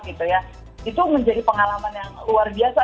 itu menjadi pengalaman yang luar biasa